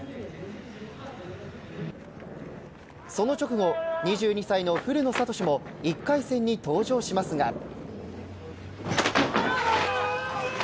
その直後、２２歳の古野慧も１回戦に登場しますが。